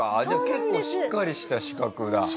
じゃあ結構しっかりした資格だ。